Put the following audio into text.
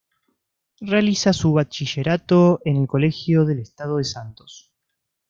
Realiza su bachillerato en el Colegio del Estado de Santos.